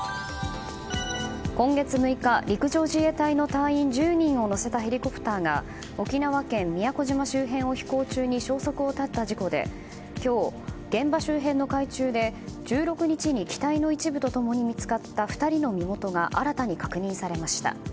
今月６日、陸上自衛隊の隊員１０人を乗せたヘリコプターが沖縄県宮古島周辺で消息を絶った事故で今日、現場周辺の海中で１６日に機体の一部と共に見つかった２人の身元が新たに確認されました。